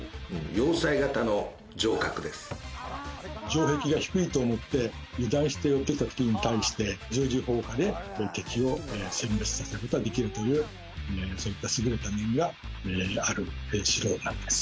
城壁が低いと思って油断して寄ってきた敵に対して十字砲火で、敵をせん滅させる事ができるというそういった優れた面がある城なんです。